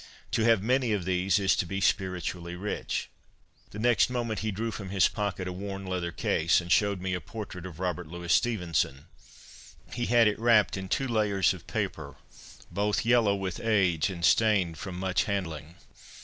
To have many of these is to be spiritually rich." ' The next moment he drew from his pocket a worn leather case and showed me a portrait of Robert Louis Stevenson. He had it wrapped in two layers of paper, both yellow with age and stained from much handling.